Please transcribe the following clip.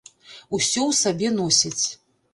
Усё ў сабе носяць.